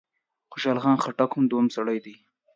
خوشحال خان خټک دوهم سړی دی.